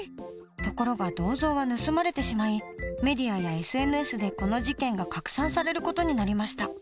ところが銅像は盗まれてしまいメディアやＳＮＳでこの事件が拡散される事になりました。